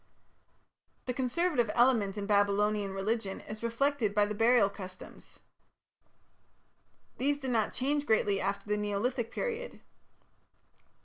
The conservative element in Babylonian religion is reflected by the burial customs. These did not change greatly after the Neolithic period.